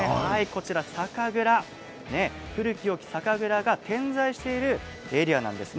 こちら酒蔵、古きよき酒蔵が点在しているエリアです。